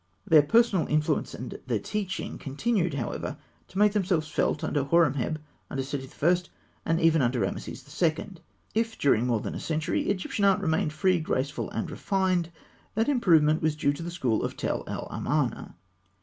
Their personal influence and their teaching continued, however, to make themselves felt under Horemheb, under Seti I., and even under Rameses II. If, during more than a century, Egyptian art remained free, graceful, and refined, that improvement was due to the school of Tell el Amarna.